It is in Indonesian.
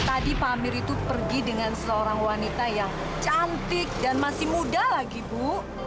tadi pak amir itu pergi dengan seorang wanita yang cantik dan masih muda lagi bu